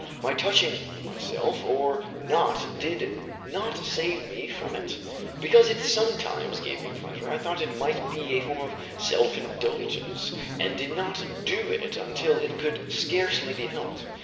My touching myself or not did not save me from it. Because it sometimes gave me pleasure, I thought it might be a form of self indulgence, and did not do it until it could scarcely be helped.